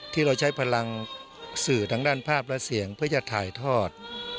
ที่เราใช้พลังสื่อทางด้านภาพและเสียงเพื่อจะถ่ายทอด